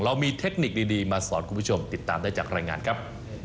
เรามีเทคนิคดีมาสอนคุณผู้ชมติดตามได้จากรายงานครับ